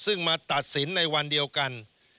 ซึ่งมาตัดสินในวันเดียวกัน